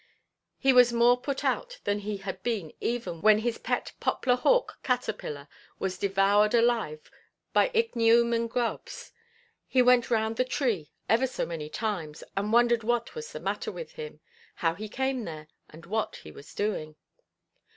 He was more put out than he had been even when his pet poplar–hawk caterpillar was devoured alive by ichneumon grubs. He went round the tree ever so many times, and wondered what was the matter with him, how he came there, and what he was doing.